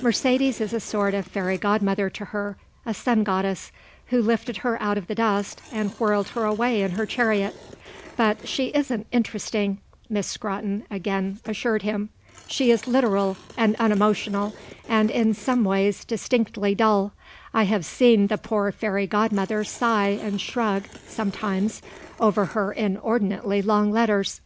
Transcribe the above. Mercedes is a sort of fairy godmother to her, a sun goddess, who lifted her out of the dust and whirled her away in her chariot. But she isn't interesting," Miss Scrotton again assured him. "She is literal and unemotional, and, in some ways, distinctly dull. I have seen the poor fairy godmother sigh and shrug sometimes over her inordinately long letters.